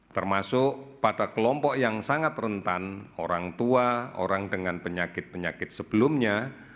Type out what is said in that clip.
termasuk pada kelompok yang sangat rentan orang tua orang dengan penyakit penyakit sebelumnya